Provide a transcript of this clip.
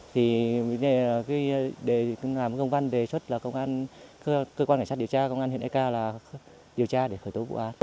thì để làm công văn đề xuất là công an cơ quan hải sát điều tra công an huyện eka là điều tra để khởi tố vụ án